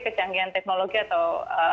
kecanggihan teknologi atau